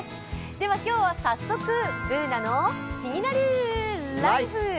では今日は早速「ＢｏｏｎａのキニナルＬＩＦＥ」。